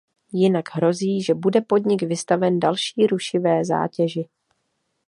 Jinak hrozí, že bude podnik vystaven další rušivé zátěži.